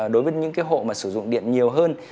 đối với những cái hộ mà sử dụng điện nhiều hơn